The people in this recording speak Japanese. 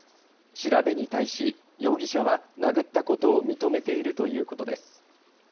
調べに対し容疑者は殴ったことを認めているということです。